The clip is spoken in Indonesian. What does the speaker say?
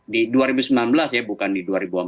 di dua ribu sembilan belas ya bukan di dua ribu empat belas